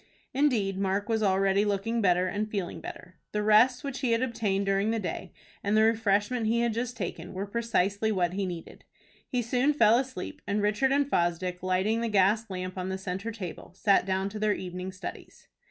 Indeed Mark was already looking better and feeling better. The rest which he had obtained during the day, and the refreshment he had just taken, were precisely what he needed. He soon fell asleep, and Richard and Fosdick, lighting the gas lamp on the centre table, sat down to their evening studies.